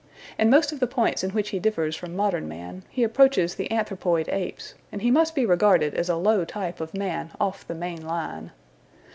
In most of the points in which he differs from modern man he approaches the anthropoid apes, and he must be regarded as a low type of man off the main line.